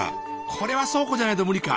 これは倉庫じゃないと無理か。